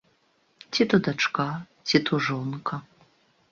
Ці то дачка, ці то жонка.